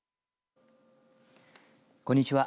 こんにちは。